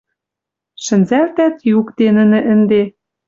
Шӹнзӓлтӓт юкде нӹнӹ ӹнде